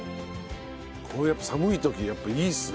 こう寒い時やっぱいいっすね。